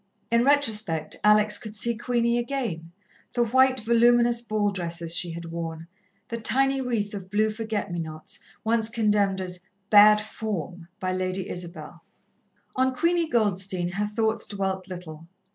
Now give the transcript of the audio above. In retrospect Alex could see Queenie again, the white, voluminous ball dresses she had worn, the tiny wreath of blue forget me nots, once condemned as "bad form" by Lady Isabel. On Queenie Goldstein her thoughts dwelt little.